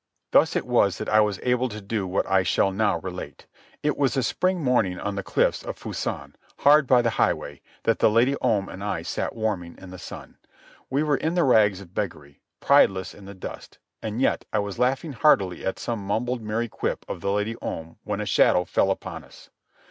Thus it was that I was able to do what I shall now relate. It was a spring morning on the cliffs of Fusan, hard by the highway, that the Lady Om and I sat warming in the sun. We were in the rags of beggary, prideless in the dust, and yet I was laughing heartily at some mumbled merry quip of the Lady Om when a shadow fell upon us.